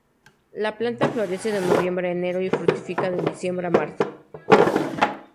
La planta florece de noviembre a enero y fructifica de diciembre a marzo.